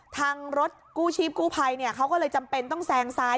ทางรถกู้ชีพกู้ภัยเขาก็เลยจำเป็นต้องแซงซ้าย